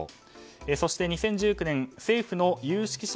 そして２０１９年政府の有識者